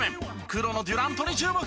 黒のデュラントに注目。